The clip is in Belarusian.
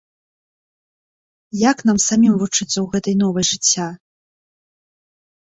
Як нам самім вучыцца ў гэтай новай жыцця?